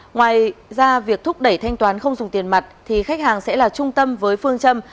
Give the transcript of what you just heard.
ngoài ra việc thúc đẩy thanh toán không dùng tiền mặt thì khách hàng sẽ là trung tâm với phương châm